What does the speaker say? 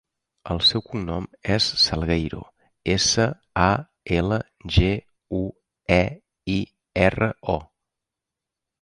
El seu cognom és Salgueiro: essa, a, ela, ge, u, e, i, erra, o.